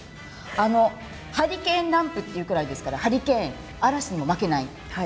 ハリケーンランプというぐらいですからハリケーン、嵐にも負けない。